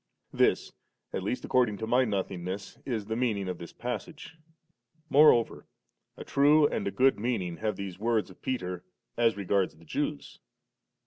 This, at least aocordfaig to my nothing ness, is the meaning of this passage; more over, a true and a good meaning bave these words of Peter as regards the Jews.